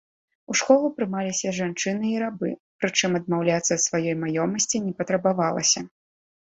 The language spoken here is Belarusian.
У школу прымаліся жанчыны і рабы, прычым адмаўляцца ад сваёй маёмасці не патрабавалася.